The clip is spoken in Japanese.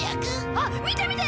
あっ見て見て！